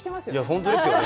本当ですよね。